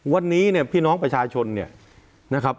วันนี้เนี่ยพี่น้องประชาชนเนี่ยนะครับ